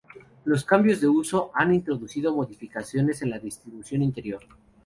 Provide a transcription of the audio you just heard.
Los cambios de uso han introducido modificaciones en la distribución interior.